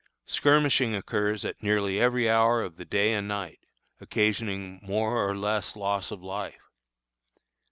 Skirmishing occurs at nearly every hour of the day and night, occasioning more or less loss of life.